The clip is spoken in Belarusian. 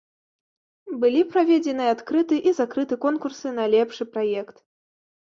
Былі праведзеныя адкрыты і закрыты конкурсы на лепшы праект.